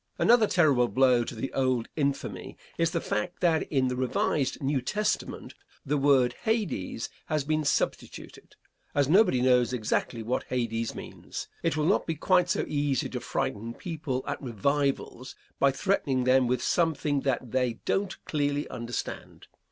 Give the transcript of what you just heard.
Another terrible blow to the old infamy is the fact that in the revised New Testament the word Hades has been substituted. As nobody knows exactly what Hades means, it will not be quite so easy to frighten people at revivals by threatening them with something that they don't clearly understand.